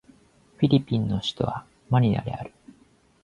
フィリピンの首都はマニラである